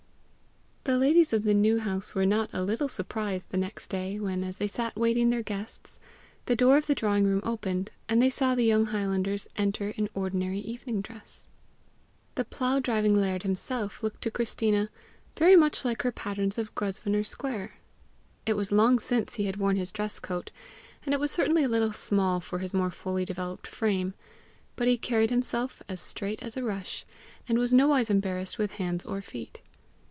The ladies of the New House were not a little surprised the next day when, as they sat waiting their guests, the door of the drawing room opened, and they saw the young highlanders enter in ordinary evening dress. The plough driving laird himself looked to Christina very much like her patterns of Grosvenor square. It was long since he had worn his dress coat, and it was certainly a little small for his more fully developed frame, but he carried himself as straight as a rush, and was nowise embarrassed with hands or feet.